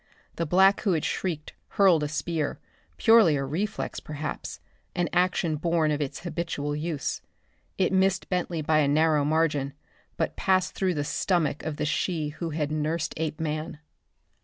The black who had shrieked hurled a spear, purely a reflex, perhaps an action born of its habitual use. It missed Bentley by a narrow margin, but passed through the stomach of the she who had nursed Apeman.